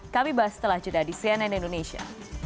kami bahas setelah jeda di cnn indonesia